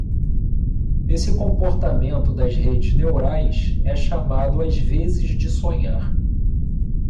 Esse comportamento das redes neurais é chamado às vezes de sonhar.